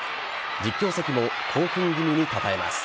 実況席も興奮気味にたたえます。